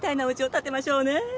建てましょうね。